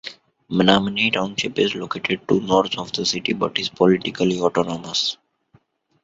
Menominee Township is located to the north of the city, but is politically autonomous.